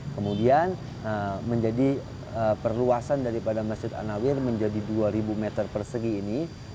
kemudian menjadi perluasan daripada masjid an nawir menjadi dua ribu meter persegi ini